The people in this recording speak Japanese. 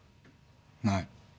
ない。